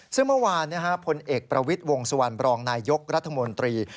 ซึ่งเมื่อวานพลเอกประวิทย์วงสุวรรณบรองนายยกรัฐมนตรี